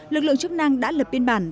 lực lượng chức năng đã lập biên bản